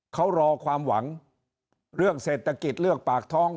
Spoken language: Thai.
เขารอความหวังเรื่องเศรษฐกิจเรื่องปากท้อง